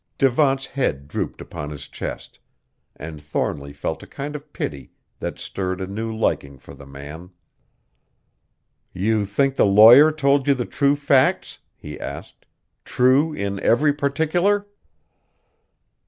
Devant's head drooped upon his chest, and Thornly felt a kind of pity that stirred a new liking for the man. "You think the lawyer told you the true facts?" he asked; "true in every particular?"